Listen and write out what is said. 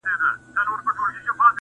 ستا مخامخ او ستا صفت مړه توبه اوباسه